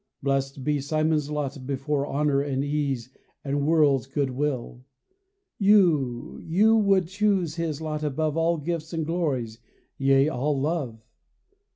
Blessed be Simon's lot before Honour and ease and world's good will : You, you would choose his lot above All gifts and glories, yea, all love